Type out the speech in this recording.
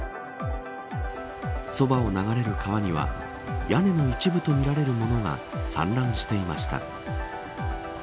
そばを流れる川には屋根の一部とみられるものが散乱していました。